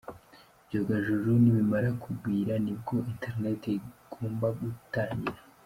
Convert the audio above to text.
Ibyogajuru nibimara kugwira nibwo internet igomba gutangira.”